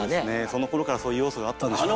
その頃からそういう要素があったんでしょうね。